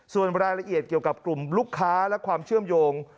ส่วนรายละเอียดเกี่ยวกับกลุ่มลูกค้าและความเชื่อมโยง